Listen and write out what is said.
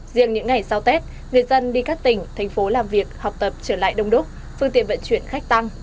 riêng những ngày sau tết người dân đi các tỉnh thành phố làm việc học tập trở lại đông đúc phương tiện vận chuyển khách tăng